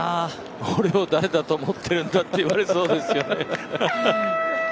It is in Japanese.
俺を誰だと思っているんだと言われそうですよね。